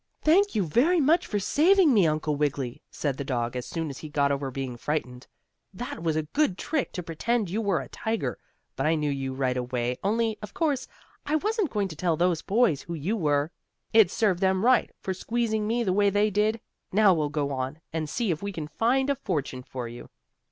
"Thank you very much for saving me, Uncle Wiggily," said the dog, as soon as he got over being frightened. "That was a good trick, to pretend you were a tiger. But I knew you right away, only, of course, I wasn't going to tell those boys who you were. It served them right, for squeezing me the way they did. Now we'll go on, and see if we can find a fortune for you."